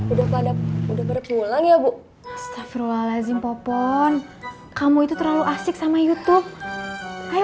udah pada udah berpulang ya bu stafferwa lazim popon kamu itu terlalu asik sama youtube ayo